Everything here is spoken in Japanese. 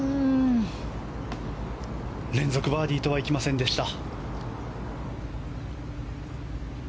連続バーディーとはいきませんでした。